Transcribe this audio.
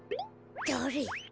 だれ？